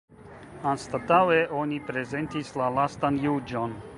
Anstataŭe oni prezentis la Lastan Juĝon.